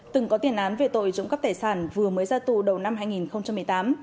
từng có tiền án về tội trộm cắp tài sản vừa mới ra tù đầu năm hai nghìn một mươi tám